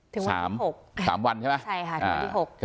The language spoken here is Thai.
ถึงวันที่๖